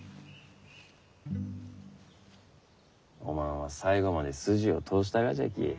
おまんは最後まで筋を通したがじゃき